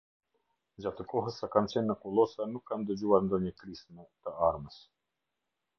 Gjatë kohës sa kam qenë në kullosa nuk kam dëgjuar ndonjë krismë të armës.